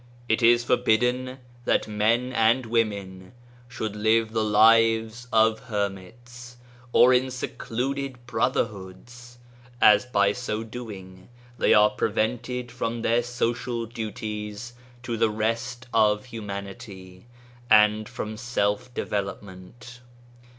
It is forbidden that men and women should live the lives of hermits, or in secluded brother hoods, as by so doing they are prevented from their social duties to the rest of humanity, and from self development.